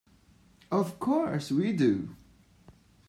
Of course we do.